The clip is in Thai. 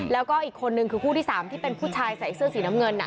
แล้วก็อีกคนนึงคือคู่ที่๓ที่เป็นผู้ชายใส่เสื้อสีน้ำเงิน